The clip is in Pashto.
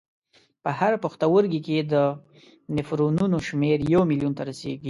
په هر پښتورګي کې د نفرونونو شمېر یو میلیون ته رسېږي.